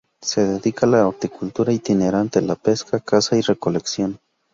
Se dedican a la horticultura itinerante, la pesca, caza y recolección.